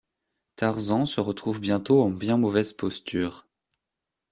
Tarzan se retrouve bientôt en bien mauvaise posture.